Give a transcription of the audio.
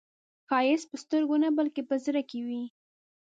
ښایست په سترګو نه، بلکې په زړه کې وي